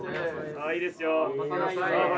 ああいいですよ。